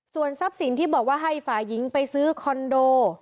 ส่วนทรัพย์สินที่บอกว่าให้ฝ่ายหญิงไปซื้อคอนโด